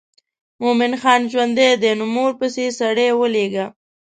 مومن خان ژوندی دی نو مور پسې سړی ولېږه.